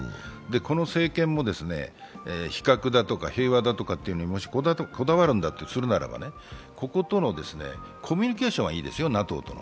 この政権も、非核だとか平和だとかにもしこだわるのだとすれば、コミュニケーションはいいですよ、ＮＡＴＯとの。